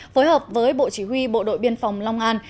phối hợp với bộ chỉ huy bộ đội biên phòng long an